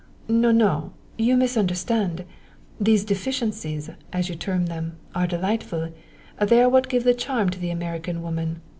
"No! No! You misunderstand! Those deficiencies, as you term them, are delightful; they are what give the charm to the American woman.